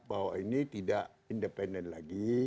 bahwa ini tidak independen lagi